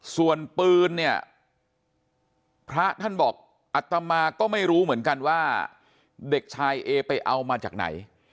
ส่วนปืนเนี่ยพระท่านบอกอัตมาก็ไม่รู้เหมือนกันว่าเด็กชายเอไปเอามาจากไหน